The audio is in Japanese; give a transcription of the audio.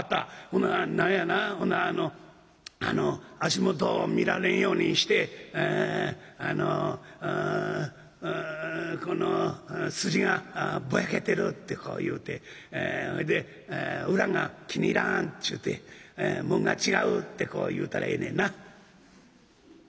ほな何やなあの足元を見られんようにしてあああのうん『この筋がぼやけてる』ってこう言うてほいで『裏が気に入らん』ちゅうて『紋が違う』ってこう言うたらええねんな」。